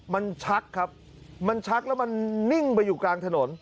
มันชักครับมันชักแล้วมันนิ่งไปอยู่กลางถนน